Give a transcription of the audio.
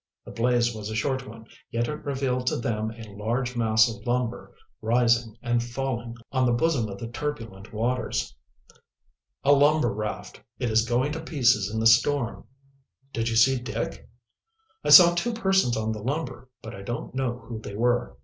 The blaze was a short one, yet it revealed to them a large mass of lumber rising and falling on the bosom of the turbulent waters. "A lumber raft. It is going to pieces in the storm." "Did you see Dick?" "I saw two persons on the lumber, but I don't know who they were.